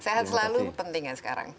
sehat selalu penting ya sekarang